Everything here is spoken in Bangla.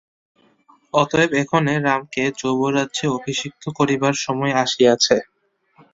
অতএব এক্ষণে রামকে যৌবরাজ্যে অভিষিক্ত করিবার সময় আসিয়াছে।